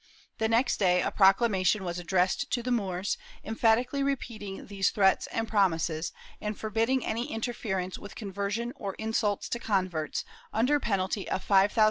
The next day a proclama tion was addressed to the Moors, emphatically repeating these threats and promises, and forbidding any interference with con version or insults to converts, under penalty of five thousand ' Archive de Simancas, Inq.